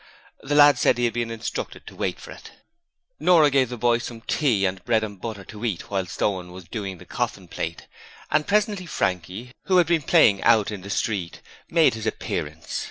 The lad said he had been instructed to wait for it. Nora gave the boy some tea and bread and butter to eat whilst Owen was doing the coffin plate, and presently Frankie who had been playing out in the street made his appearance.